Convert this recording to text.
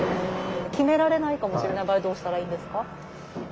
決められないかもしれない場合はどうしたらいいんですか？